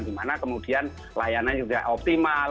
dimana kemudian layanan juga optimal